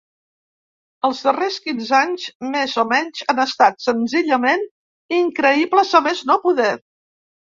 Els darrers quinze anys més o menys han estat senzillament increïbles a més no poder.